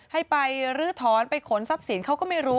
ให้ไปลื้อถอนไปขนทรัพย์สินเขาก็ไม่รู้